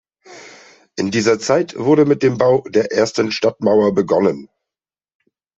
In dieser Zeit wurde mit dem Bau der ersten Stadtmauer begonnen.